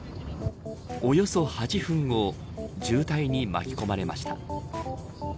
およそ８分後渋滞に巻き込まれました。